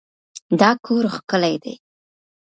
دا کور ښکلی دی.